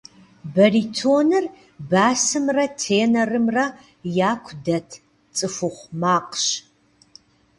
Баритоныр басымрэ тенорымрэ яку дэт цӏыхухъу макъщ.